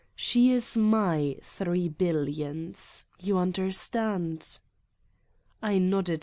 She is my three billions. You understand?" I nodd.